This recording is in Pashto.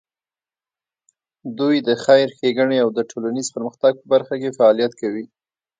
دوی د خیر ښېګڼې او د ټولنیز پرمختګ په برخه کې فعالیت کوي.